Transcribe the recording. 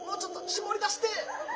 絞り出して。